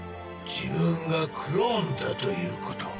自分がクローンだということを。